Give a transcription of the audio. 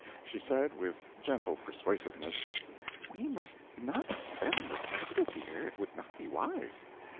She said, with gentle persuasiveness: "We must not spend the capital, dear, it would not be wise.